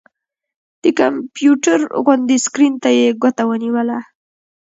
د کمپيوټر غوندې سکرين ته يې ګوته ونيوله